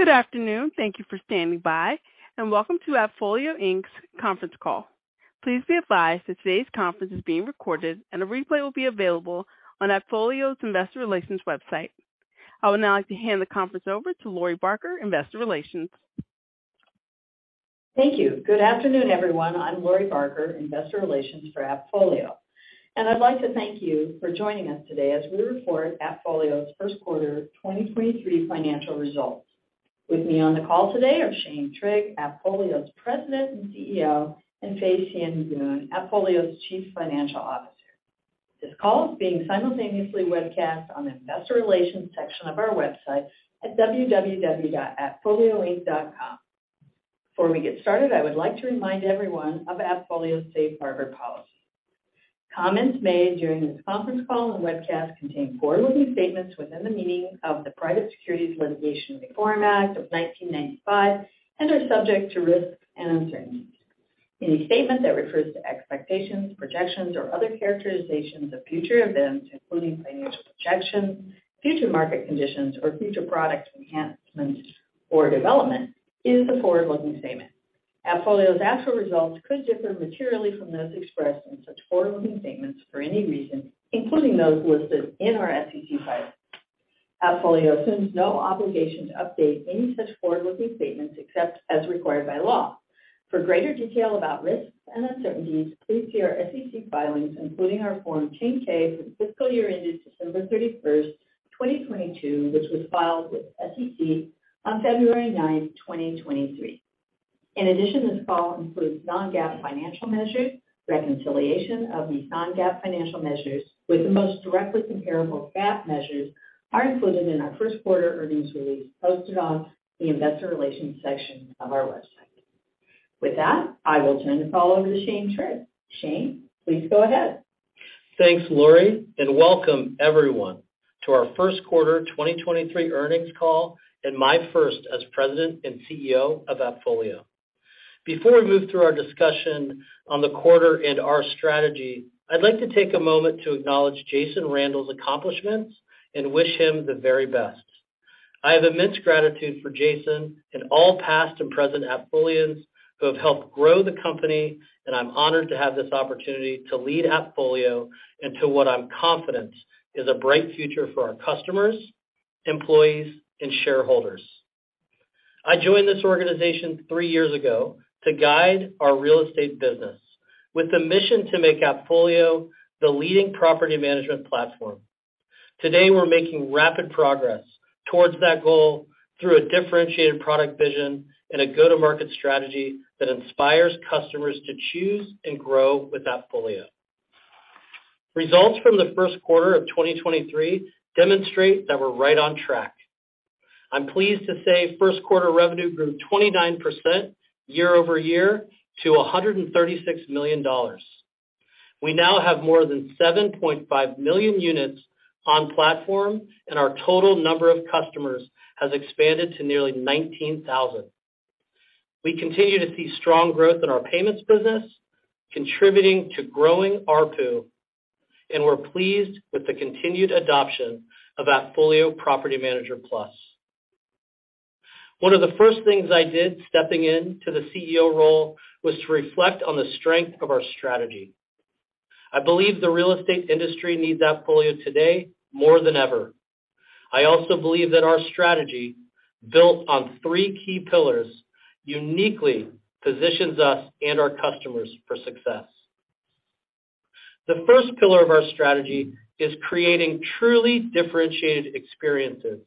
Good afternoon. Thank you for standing by. Welcome to AppFolio, Inc.'s conference call. Please be advised that today's conference is being recorded. A replay will be available on AppFolio's investor relations website. I would now like to hand the conference over to Lori Barker, investor relations. Thank you. Good afternoon, everyone. I'm Lori Barker, investor relations for AppFolio. I'd like to thank you for joining us today as we report AppFolio's first quarter 2023 financial results. With me on the call today are Shane Trigg, AppFolio's President and CEO, and Fay Sien Goon, AppFolio's Chief Financial Officer. This call is being simultaneously webcast on the investor relations section of our website at www.appfolioinc.com. Before we get started, I would like to remind everyone of AppFolio safe harbor policy. Comments made during this conference call and webcast contain forward-looking statements within the meaning of the Private Securities Litigation Reform Act of 1995 and are subject to risks and uncertainties. Any statement that refers to expectations, projections, or other characterizations of future events, including financial projections, future market conditions, or future product enhancements or development, is a forward-looking statement. AppFolio's actual results could differ materially from those expressed in such forward-looking statements for any reason, including those listed in our SEC filings. AppFolio assumes no obligation to update any such forward-looking statements except as required by law. For greater detail about risks and uncertainties, please see our SEC filings, including our Form 10-K for the fiscal year ended December 31st 2022, which was filed with SEC on February 9th, 2023. This call includes non-GAAP financial measures. Reconciliation of these non-GAAP financial measures with the most directly comparable GAAP measures are included in our first quarter earnings release posted on the investor relations section of our website. I will turn the call over to Shane Trigg. Shane, please go ahead. Thanks, Lori, and welcome everyone to our first quarter 2023 earnings call and my first as President and CEO of AppFolio. Before we move through our discussion on the quarter and our strategy, I'd like to take a moment to acknowledge Jason Randall's accomplishments and wish him the very best. I have immense gratitude for Jason and all past and present AppFolians who have helped grow the company, and I'm honored to have this opportunity to lead AppFolio into what I'm confident is a bright future for our customers, employees, and shareholders. I joined this organization three years ago to guide our real estate business with the mission to make AppFolio the leading property management platform. Today, we're making rapid progress towards that goal through a differentiated product vision and a go-to-market strategy that inspires customers to choose and grow with AppFolio. Results from the first quarter of 2023 demonstrate that we're right on track. I'm pleased to say first quarter revenue grew 29% year-over-year to $136 million. We now have more than 7.5 million units on platform, Our total number of customers has expanded to nearly 19,000. We continue to see strong growth in our payments business, contributing to growing ARPU, and we're pleased with the continued adoption of AppFolio Property Manager Plus. One of the first things I did stepping in to the CEO role was to reflect on the strength of our strategy. I believe the real estate industry needs AppFolio today more than ever. I also believe that our strategy, built on three key pillars, uniquely positions us and our customers for success. The first pillar of our strategy is creating truly differentiated experiences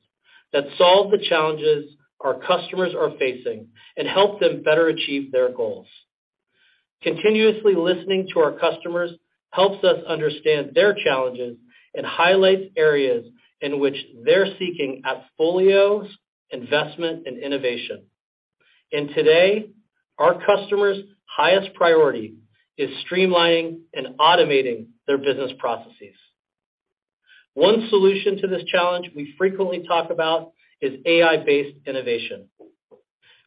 that solve the challenges our customers are facing and help them better achieve their goals. Continuously listening to our customers helps us understand their challenges and highlights areas in which they're seeking AppFolio's investment and innovation. Today, our customers' highest priority is streamlining and automating their business processes. One solution to this challenge we frequently talk about is AI-based innovation.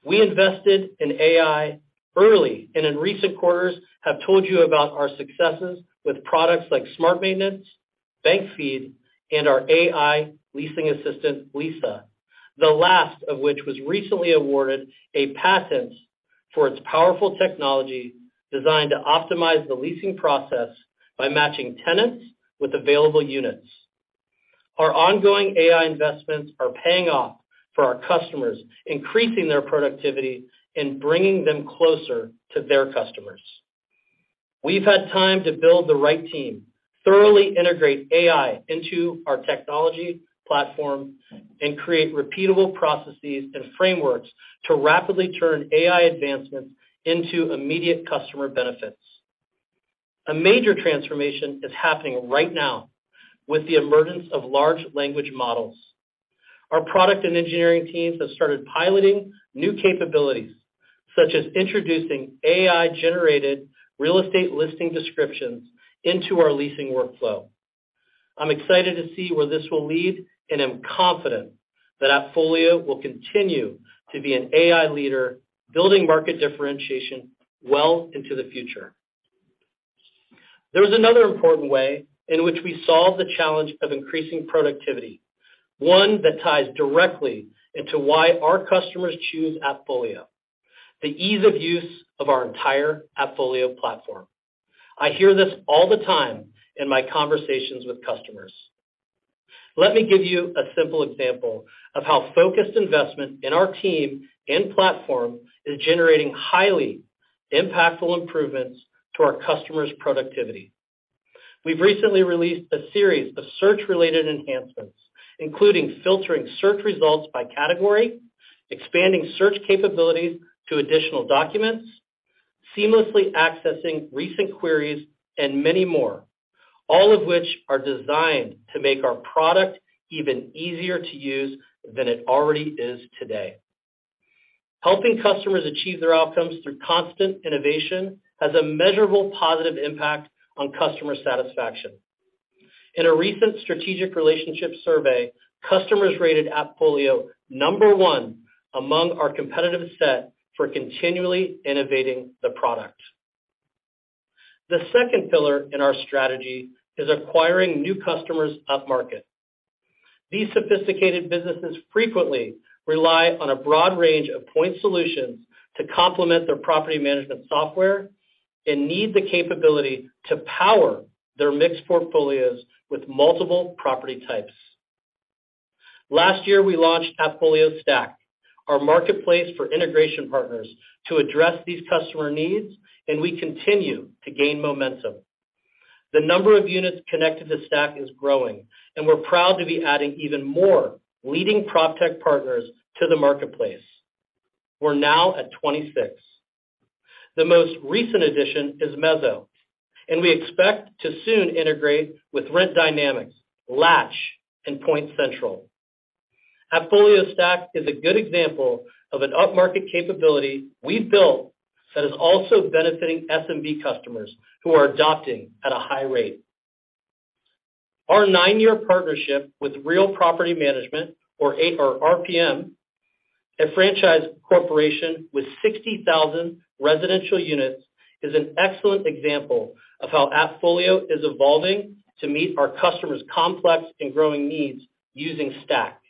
We invested in AI early, and in recent quarters have told you about our successes with products like Smart Maintenance, Bank Feed, and our AI leasing assistant, Lisa, the last of which was recently awarded a patent for its powerful technology designed to optimize the leasing process by matching tenants with available units. Our ongoing AI investments are paying off for our customers, increasing their productivity and bringing them closer to their customers. We've had time to build the right team, thoroughly integrate AI into our technology platform, and create repeatable processes and frameworks to rapidly turn AI advancements into immediate customer benefits. A major transformation is happening right now with the emergence of large language models. Our product and engineering teams have started piloting new capabilities, such as introducing AI-generated real estate listing descriptions into our leasing workflow. I'm excited to see where this will lead, and I'm confident that AppFolio will continue to be an AI leader, building market differentiation well into the future. There is another important way in which we solve the challenge of increasing productivity, one that ties directly into why our customers choose AppFolio, the ease of use of our entire AppFolio platform. I hear this all the time in my conversations with customers. Let me give you a simple example of how focused investment in our team and platform is generating highly impactful improvements to our customers' productivity. We've recently released a series of search-related enhancements, including filtering search results by category, expanding search capabilities to additional documents, seamlessly accessing recent queries, and many more, all of which are designed to make our product even easier to use than it already is today. Helping customers achieve their outcomes through constant innovation has a measurable positive impact on customer satisfaction. In a recent strategic relationship survey, customers rated AppFolio number one among our competitive set for continually innovating the product. The second pillar in our strategy is acquiring new customers upmarket. These sophisticated businesses frequently rely on a broad range of point solutions to complement their property management software and need the capability to power their mixed portfolios with multiple property types. Last year, we launched AppFolio Stack, our marketplace for integration partners to address these customer needs. We continue to gain momentum. The number of units connected to Stack is growing. We're proud to be adding even more leading proptech partners to the marketplace. We're now at 26. The most recent addition is Mezo. We expect to soon integrate with Rent Dynamics, Latch, and PointCentral. AppFolio Stack is a good example of an upmarket capability we've built that is also benefiting SMB customers who are adopting at a high rate. Our nine-year partnership with Real Property Management or RPM, a franchise corporation with 60,000 residential units, is an excellent example of how AppFolio is evolving to meet our customers' complex and growing needs using Stack.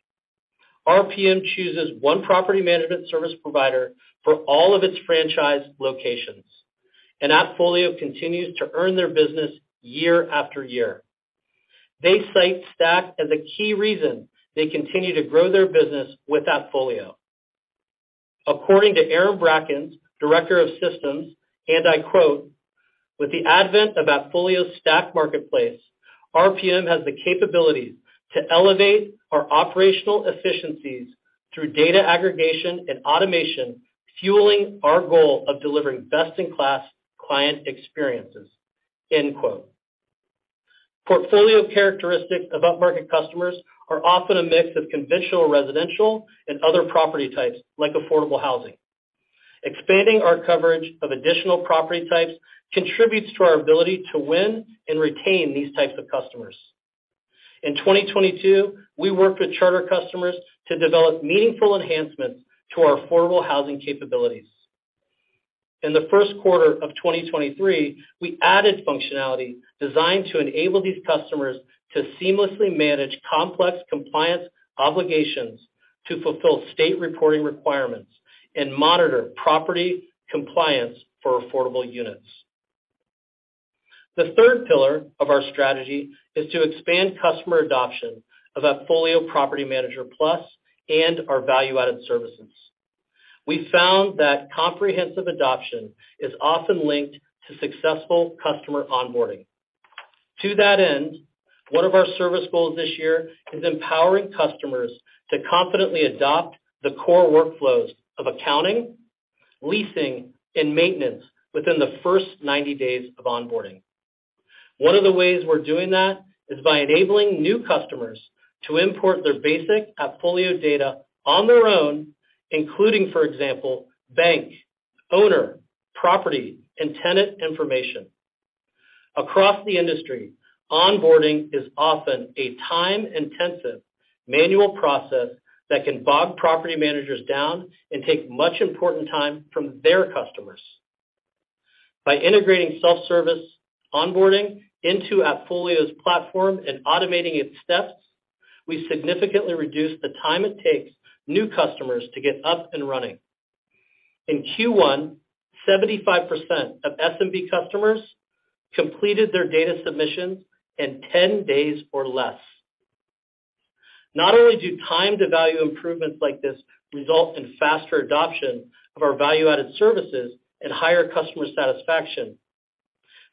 RPM chooses one property management service provider for all of its franchise locations. AppFolio continues to earn their business year after year. They cite Stack as a key reason they continue to grow their business with AppFolio. According to Aaron Brackens, Director of Systems, and I quote, "With the advent of AppFolio's Stack marketplace, RPM has the capability to elevate our operational efficiencies through data aggregation and automation, fueling our goal of delivering best-in-class client experiences." End quote. Portfolio characteristics of upmarket customers are often a mix of conventional residential and other property types, like affordable housing. Expanding our coverage of additional property types contributes to our ability to win and retain these types of customers. In 2022, we worked with charter customers to develop meaningful enhancements to our affordable housing capabilities. In the first quarter of 2023, we added functionality designed to enable these customers to seamlessly manage complex compliance obligations to fulfill state reporting requirements and monitor property compliance for affordable units. The third pillar of our strategy is to expand customer adoption of AppFolio Property Manager Plus and our value-added services. We found that comprehensive adoption is often linked to successful customer onboarding. To that end, one of our service goals this year is empowering customers to confidently adopt the core workflows of accounting, leasing, and maintenance within the first 90 days of onboarding. One of the ways we're doing that is by enabling new customers to import their basic AppFolio data on their own, including, for example, bank, owner, property, and tenant information. Across the industry, onboarding is often a time-intensive manual process that can bog property managers down and take much important time from their customers. By integrating self-service onboarding into AppFolio's platform and automating its steps, we significantly reduce the time it takes new customers to get up and running. In Q1, 75% of SMB customers completed their data submissions in 10 days or less. Not only do time-to-value improvements like this result in faster adoption of our value-added services and higher customer satisfaction,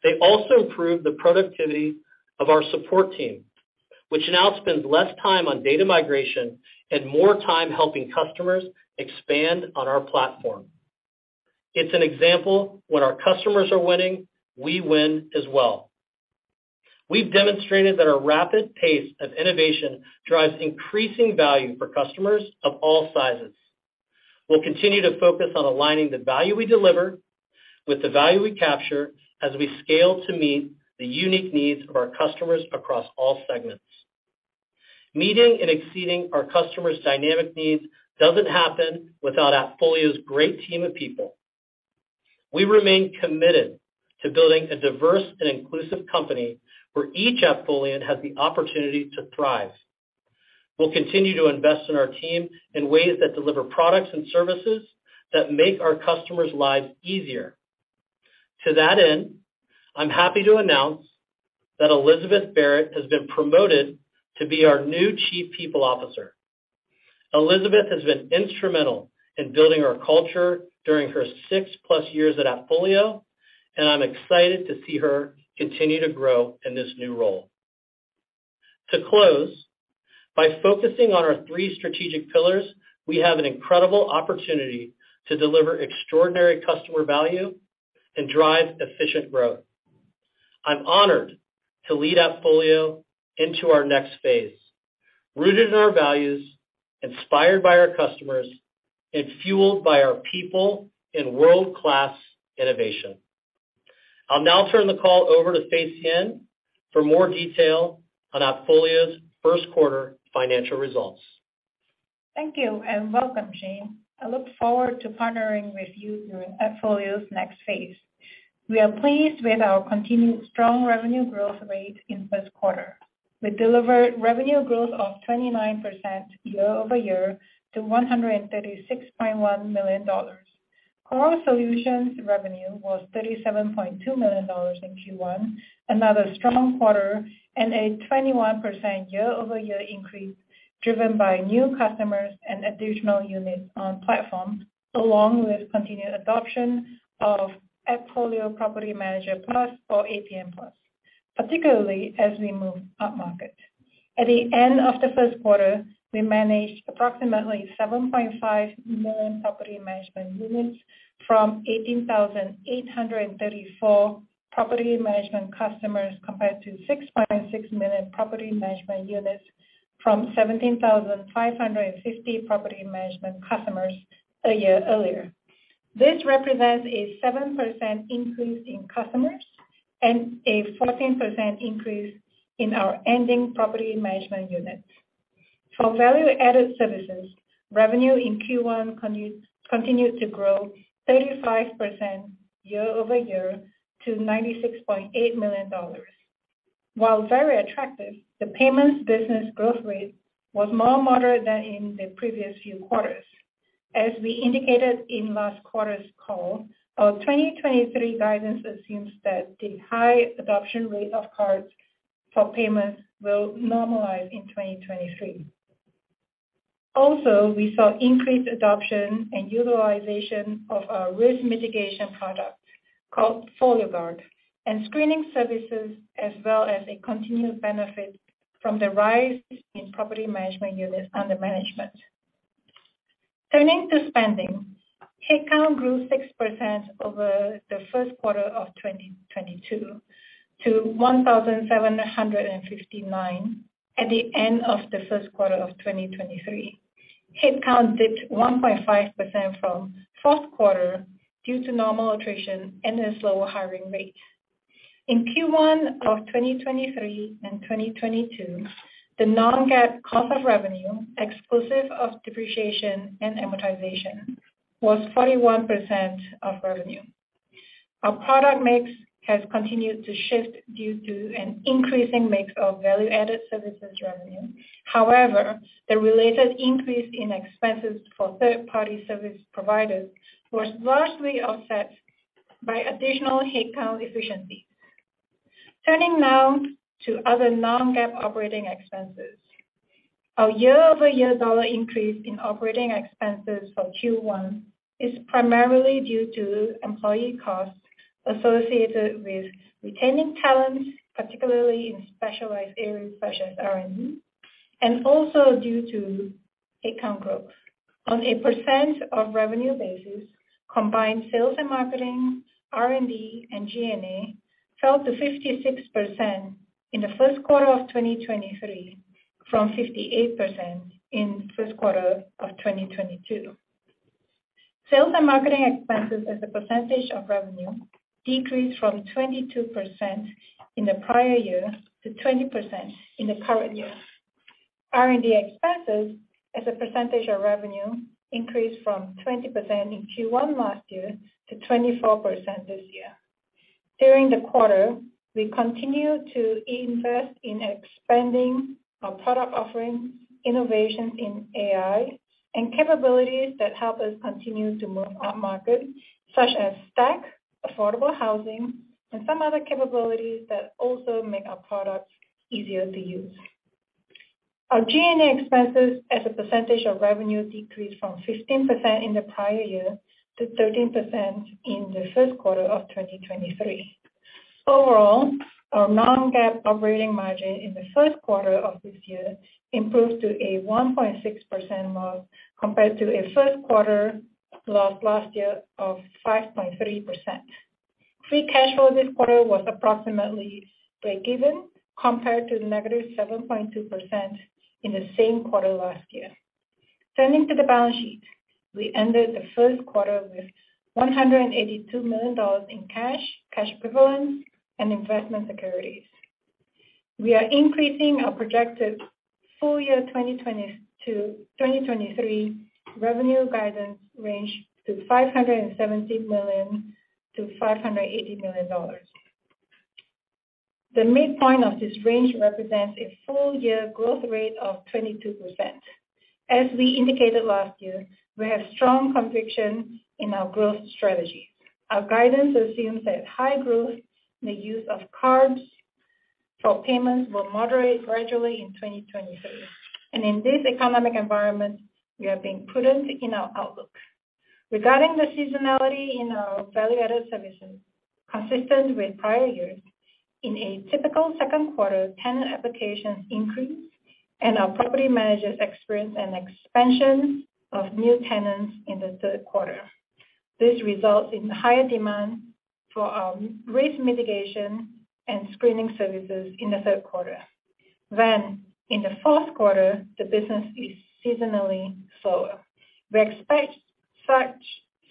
they also improve the productivity of our support team, which now spends less time on data migration and more time helping customers expand on our platform. It's an example when our customers are winning, we win as well. We've demonstrated that our rapid pace of innovation drives increasing value for customers of all sizes. We'll continue to focus on aligning the value we deliver with the value we capture as we scale to meet the unique needs of our customers across all segments. Meeting and exceeding our customer's dynamic needs doesn't happen without AppFolio's great team of people. We remain committed to building a diverse and inclusive company where each AppFolion has the opportunity to thrive. We'll continue to invest in our team in ways that deliver products and services that make our customers' lives easier. To that end, I'm happy to announce that Elizabeth Barrett has been promoted to be our new Chief People Officer. Elizabeth has been instrumental in building our culture during her 6+ years at AppFolio. I'm excited to see her continue to grow in this new role. To close, by focusing on our three strategic pillars, we have an incredible opportunity to deliver extraordinary customer value and drive efficient growth. I'm honored to lead AppFolio into our next phase, rooted in our values, inspired by our customers, and fueled by our people in world-class innovation. I'll now turn the call over to Fay Sien for more detail on AppFolio's first quarter financial results. Thank you, and welcome, Shane. I look forward to partnering with you during AppFolio's next phase. We are pleased with our continued strong revenue growth rate in first quarter. We delivered revenue growth of 29% year-over-year to $136.1 million. Core solutions revenue was $37.2 million in Q1, another strong quarter and a 21% year-over-year increase, driven by new customers and additional units on platform, along with continued adoption of AppFolio Property Manager Plus or APM Plus, particularly as we move upmarket. At the end of the first quarter, we managed approximately 7.5 million property management units from 18,834 property management customers, compared to 6.6 million property management units from 17,550 property management customers a year earlier. This represents a 7% increase in customers and a 14% increase in our ending property management units. For value-added services, revenue in Q1 continued to grow 35% year-over-year to $96.8 million. While very attractive, the payments business growth rate was more moderate than in the previous few quarters. As we indicated in last quarter's call, our 2023 guidance assumes that the high adoption rate of cards for payments will normalize in 2023. We saw increased adoption and utilization of our risk mitigation product called FolioGuard and screening services, as well as a continued benefit from the rise in property management units under management. Turning to spending, headcount grew 6% over the first quarter of 2022 to 1,759 at the end of the first quarter of 2023. Headcount dipped 1.5% from fourth quarter due to normal attrition and a slower hiring rate. In Q1 of 2023 and 2022, the non-GAAP cost of revenue, exclusive of depreciation and amortization, was 41% of revenue. Our product mix has continued to shift due to an increasing mix of value-added services revenue. However, the related increase in expenses for third-party service providers was largely offset by additional headcount efficiency. Turning now to other non-GAAP operating expenses. Our year-over-year dollar increase in operating expenses for Q1 is primarily due to employee costs associated with retaining talent, particularly in specialized areas such as R&D, and also due to headcount growth. On a percent of revenue basis, combined sales and marketing, R&D, and G&A fell to 56% in the first quarter of 2023 from 58% in first quarter of 2022. Sales and marketing expenses as a percentage of revenue decreased from 22% in the prior year to 20% in the current year. R&D expenses as a percentage of revenue increased from 20% in Q1 last year to 24% this year. During the quarter, we continued to invest in expanding our product offering, innovation in AI, and capabilities that help us continue to move upmarket, such as Stack, affordable housing, and some other capabilities that also make our products easier to use. Our G&A expenses as a percentage of revenue decreased from 15% in the prior year to 13% in the first quarter of 2023. Overall, our non-GAAP operating margin in the first quarter of this year improved to a 1.6% compared to a first quarter loss last year of 5.3%. Free cash flow this quarter was approximately break even compared to the -7.2% in the same quarter last year. Turning to the balance sheet, we ended the first quarter with $182 million in cash equivalents and investment securities. We are increasing our projected full year 2020 to 2023 revenue guidance range to $570 million-$580 million. The midpoint of this range represents a full year growth rate of 22%. As we indicated last year, we have strong conviction in our growth strategy. Our guidance assumes that high growth in the use of cards for payments will moderate gradually in 2023. In this economic environment, we are being prudent in our outlook. Regarding the seasonality in our value-added services, consistent with prior years, in a typical second quarter, tenant applications increase and our property managers experience an expansion of new tenants in the third quarter. This results in higher demand for our risk mitigation and screening services in the third quarter. In the fourth quarter, the business is seasonally slower. We expect such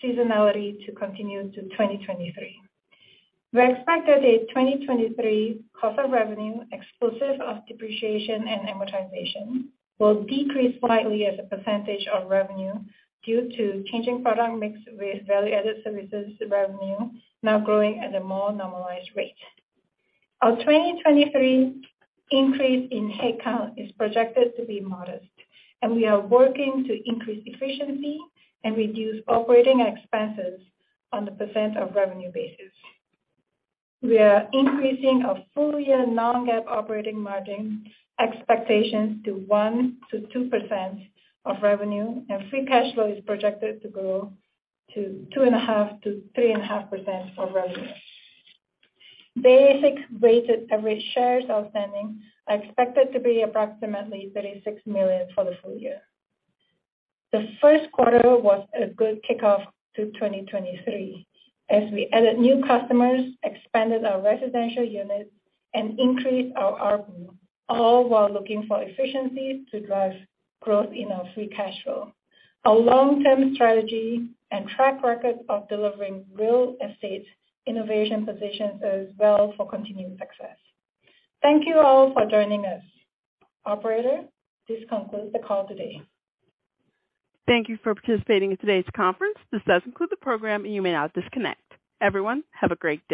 seasonality to continue to 2023. We expect that the 2023 cost of revenue, exclusive of depreciation and amortization, will decrease slightly as a percentage of revenue due to changing product mix with value-added services revenue now growing at a more normalized rate. Our 2023 increase in headcount is projected to be modest, and we are working to increase efficiency and reduce operating expenses on the percent of revenue basis. We are increasing our full-year non-GAAP operating margin expectations to 1%-2% of revenue, and free cash flow is projected to grow to 2.5%-3.5% of revenue. Basic weighted average shares outstanding are expected to be approximately $36 million for the full year. The first quarter was a good kickoff to 2023 as we added new customers, expanded our residential units and increased our ARPU, all while looking for efficiencies to drive growth in our free cash flow. Our long-term strategy and track record of delivering real estate innovation positions us well for continued success. Thank you all for joining us. Operator, this concludes the call today. Thank you for participating in today's conference, this does conclude the program. You may now disconnect. Everyone, have a great day.